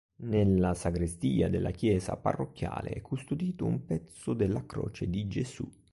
Nella Sagrestia della Chiesa Parrocchiale è custodito un pezzo della Croce di Gesù.